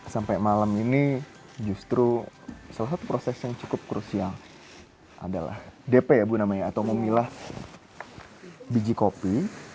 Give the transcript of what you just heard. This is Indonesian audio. sampai malam ini justru salah satu proses yang cukup krusial adalah dp ya bu namanya atau memilah biji kopi